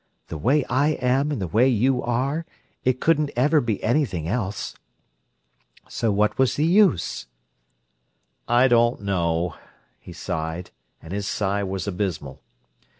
"The way I am and the way you are, it couldn't ever be anything else. So what was the use?" "I don't know," he sighed, and his sigh was abysmal.